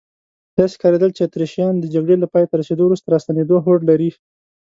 داسې ښکارېدل چې اتریشیان د جګړې له پایته رسیدو وروسته راستنېدو هوډ لري.